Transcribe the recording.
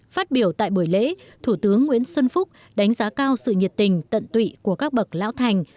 phát biểu tại buổi lễ thủ tướng nguyễn xuân phúc đánh giá cao sự nhiệt tình tận tụy của các bậc lão thành